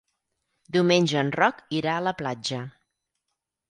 Diumenge en Roc irà a la platja.